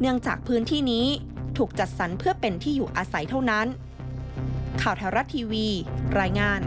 เนื่องจากพื้นที่นี้ถูกจัดสรรเพื่อเป็นที่อยู่อาศัยเท่านั้น